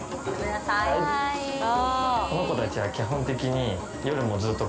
この子たちは基本的に。